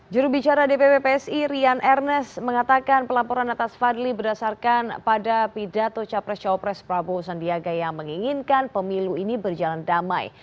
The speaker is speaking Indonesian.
jurubicara dpp psi rian ernest mengatakan pelaporan atas fadli berdasarkan pada pidato capres cawapres prabowo sandiaga yang menginginkan pemilu ini berjalan damai